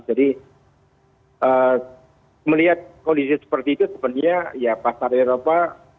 jadi melihat kondisi seperti itu sebenarnya ya pasar eropa